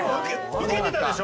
ウケてたでしょ？